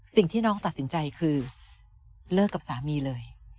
สิ่งที่น้องตัดสินใจคือเลิกกับสามีเลย